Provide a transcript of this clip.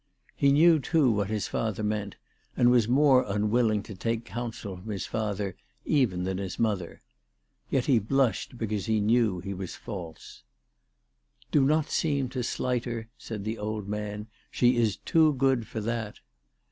He knew too what his father meant, and was more un willing to take counsel from his father even than his mother. Yet he blushed because he knew that he was false. "Do not seem to slight her," said the old man. " She is too good for that."